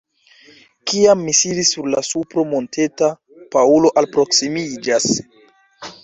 Kiam mi sidis sur la supro monteta, Paŭlo alproksimiĝas.